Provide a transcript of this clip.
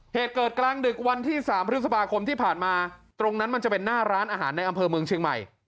เหตุเกิดกลางดึกวันที่๓พฤษภาคมที่ผ่านมาตรงนั้นมันจะเป็นหน้าร้านอาหารในอำเภอเมืองเชียงใหม่